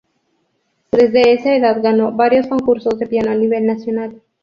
Desde esa edad ganó varios concursos de piano a nivel nacional.